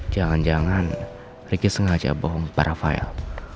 jangan jangan ricky sengaja bohong para rafael